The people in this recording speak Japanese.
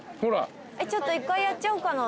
ちょっと１回やっちゃおうかな。